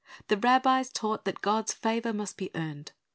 The rabbis taught that God's favor must be earned.